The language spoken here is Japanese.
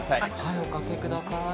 お座りください。